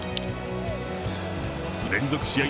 連続試合